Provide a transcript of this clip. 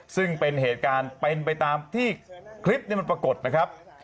ซึ่งเป็นเหตุการณ์เป็นไปตามที่คลิปนี้มันปรากฏนะครับ